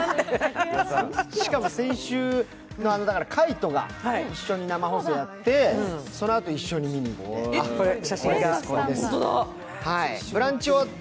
しかも先週、海音が一緒に生放送やって、そのあと一緒に見に行って。